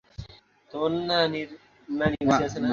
নীলু বেশ কয়েক বার অন্য প্রসঙ্গ আনতে চেষ্টা করল।